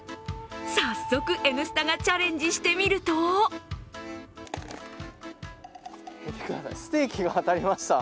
早速「Ｎスタ」がチャレンジしてみるとステーキが当たりました。